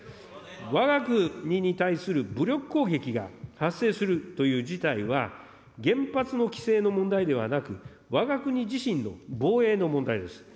わが国に対する武力攻撃が発生するという事態は、原発の規制の問題ではなく、わが国自身の防衛の問題です。